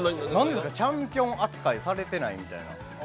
チャンピオン扱いされてないみたいな。